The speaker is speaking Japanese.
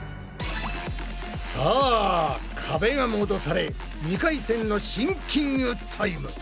さあ壁が戻され２回戦のシンキングタイム。